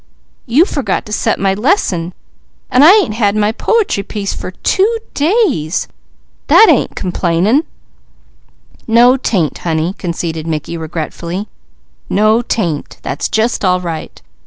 "You forgot to set my lesson, an' I ain't had my po'try piece for two days. That ain't complainin'." "No 'tain't honey," conceded Mickey regretfully. "No 'tain't! That's just all right.